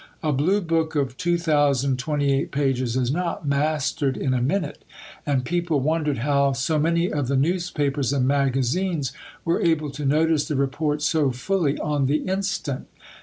A Blue book of 2028 pages is not mastered in a minute, and people wondered how so many of the newspapers and magazines were able to notice the Report so fully on the instant.